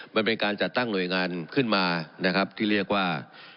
มันเป็นการจัดตั้งหน่วยงานขึ้นมานะครับที่เรียกว่า